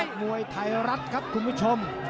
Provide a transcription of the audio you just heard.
มวยไทยรัฐครับคุณผู้ชม